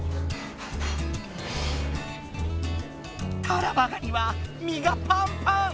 タラバガニは身がパンパン！